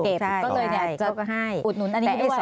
ก็เลยอุดหนุนอันนี้ด้วย